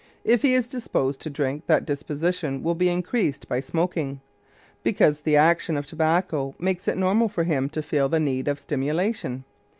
If he is disposed to drink, that disposition will be increased by smoking, because the action of tobacco makes it normal for him to feel the need of stimulation.